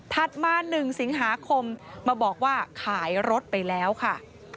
มา๑สิงหาคมมาบอกว่าขายรถไปแล้วค่ะ